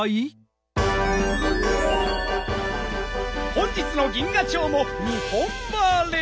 本日の銀河町も日本ばれ！